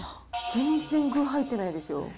全然具、入ってないですよ。